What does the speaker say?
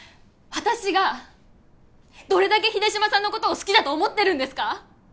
私がどれだけ秀島さんのことを好きだと思ってるんですか！